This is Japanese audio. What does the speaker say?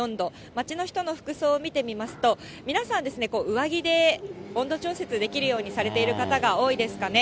街の人の服装を見てみますと、皆さんですね、上着で温度調節できるようにされている方が多いですかね。